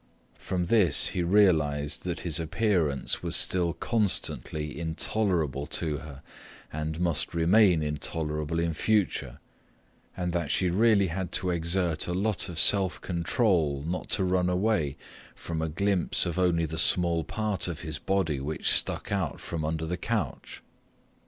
From this he realized that his appearance was still constantly intolerable to her and must remain intolerable in future, and that she really had to exert a lot of self control not to run away from a glimpse of only the small part of his body which stuck out from under the couch.